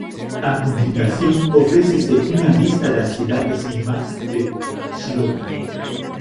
A continuación ofrécese unha lista das cidades irmás de Xirona.